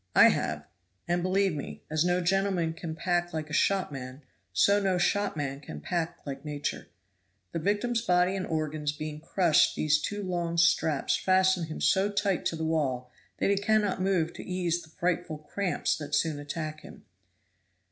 I have; and, believe me, as no gentleman can pack like a shopman, so no shopman can pack like Nature. The victim's body and organs being crushed these two long straps fasten him so tight to the wall that he cannot move to ease the frightful cramps that soon attack him.